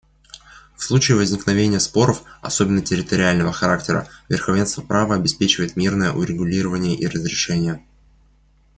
В случае возникновения споров, особенно территориального характера, верховенство права обеспечивает мирное урегулирование и разрешение.